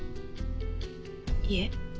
いえ。